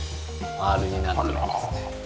アールになっていますね。